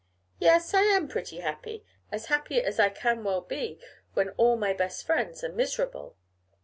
'Yes, I am pretty happy: as happy as I can well be when all my best friends are miserable.